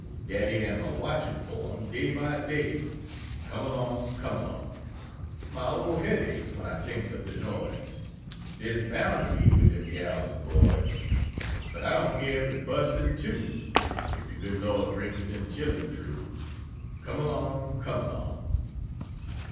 Daddy am a watchin' fo' 'em day by day Come along! Come along! Mah ol' haid aches when Ah thinks ob de noise De's boun' to be wid dem gals an' boys, But Ah doan care if it busts in two If de good Lord brings dem chillun troo Come along! Come along!"